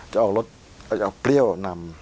จะเอารสจะเอาเปรี้ยวนำ